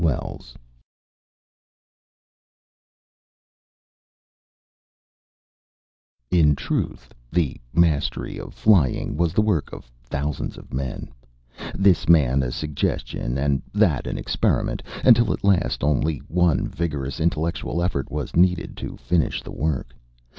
FILMER In truth the mastery of flying was the work of thousands of men this man a suggestion and that an experiment, until at last only one vigorous intellectual effort was needed to finish the work.